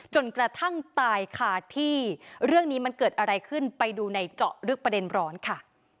จนกระทั่งตายค่ะที่เรื่องนี้มันเกิดอะไรขึ้นไปดูในเจาะลึกประเด็นร้อนค่ะ